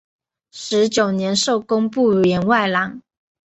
十九年授工部员外郎。